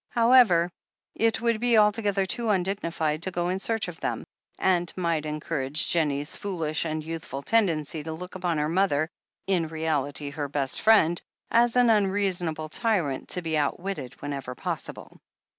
However, it would be alto gether too undignified to go in search of them, and might encourage Jennie's foolish and youthful tendency to look upon her mother, in reality her best friend, as an unreasonable tyrant, to be outwitted whenever possible.